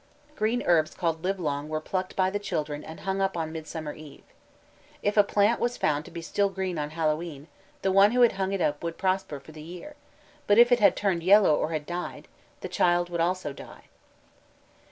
Green herbs called "livelong" were plucked by the children and hung up on Midsummer Eve. If a plant was found to be still green on Hallowe'en, the one who had hung it up would prosper for the year, but if it had turned yellow or had died, the child would also die.